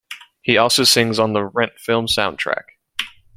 He also sings on the "Rent" film soundtrack.